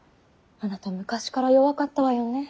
あなた昔から弱かったわよね。